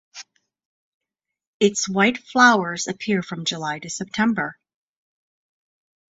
Its white flowers appear from July to September.